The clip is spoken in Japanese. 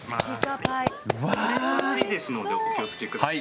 鉄板熱いですのでお気をつけください。